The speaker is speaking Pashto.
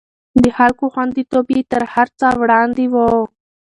د خلکو خونديتوب يې تر هر څه وړاندې و.